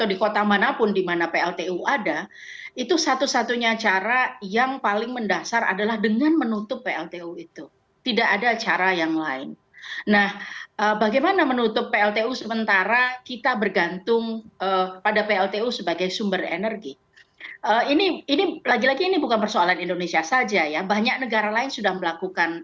ini ini lagi lagi ini bukan persoalan indonesia saja ya banyak negara lain sudah melakukan